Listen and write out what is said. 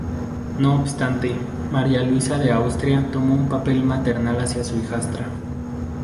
No obstante, María Luisa de Austria tomó un papel maternal hacia su hijastra.